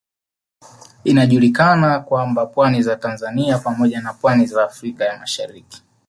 Inajulikana kwamba pwani za Tanzania pamoja na pwani za Afrika ya Mashariki